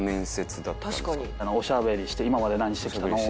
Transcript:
おしゃべりして「今まで何してきたの？」とか。